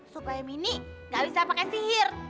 supaya mini gak bisa pakai sihir